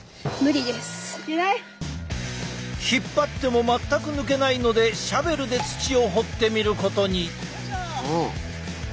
引っ張っても全く抜けないのでシャベルで土を掘ってみることに。